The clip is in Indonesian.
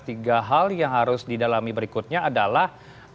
tiga hal yang harus didalami berikutnya adalah